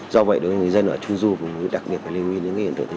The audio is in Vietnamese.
do vậy đối với người dân ở trung du đặc biệt liên quan đến những hiện tượng